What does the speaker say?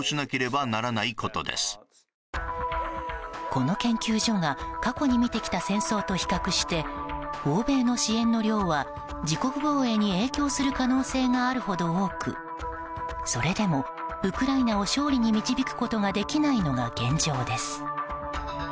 この研究所が過去に見てきた戦争と比較して欧米の支援の量は、自国防衛に影響する可能性があるほど多くそれでもウクライナを勝利に導くことができないのが現状です。